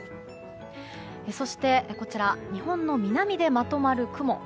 そして、こちらは日本の南でまとまる雲。